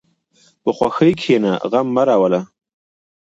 په خوښۍ کښېنه، غم مه راوله.